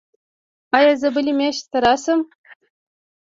ایا زه بلې میاشتې راشم؟